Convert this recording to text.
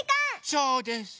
そうです！